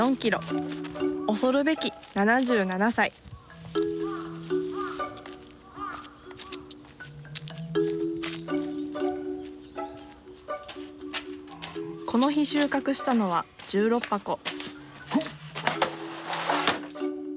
恐るべき７７歳この日収穫したのは１６箱ほっ！